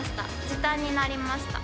時短になりました。